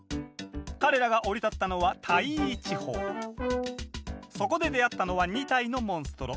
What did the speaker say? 彼らが降り立ったのはそこで出会ったのは２体のモンストロ。